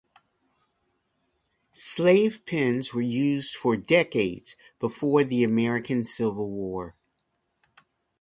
Slave pens were used for decades before the American Civil War.